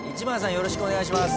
「よろしくお願いします」